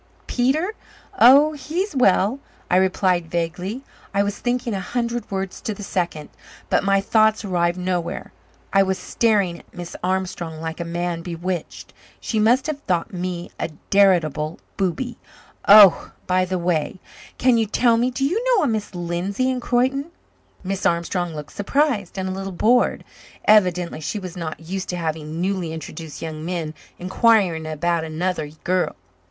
"Peter? Oh, he's well," I replied vaguely. I was thinking a hundred words to the second, but my thoughts arrived nowhere. I was staring at Miss Armstrong like a man bewitched. She must have thought me a veritable booby. "Oh, by the way can you tell me do you know a Miss Lindsay in Croyden?" Miss Armstrong looked surprised and a little bored. Evidently she was not used to having newly introduced young men inquiring about another girl.